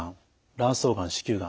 卵巣がん子宮がん